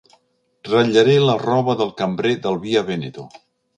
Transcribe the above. Ratllaré la roba del cambrer del Via Veneto.